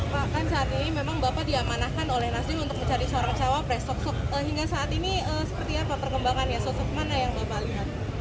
pak kan saat ini memang bapak diamanahkan oleh nasdem untuk mencari seorang cawapres hingga saat ini seperti apa perkembangannya sosok mana yang bapak lihat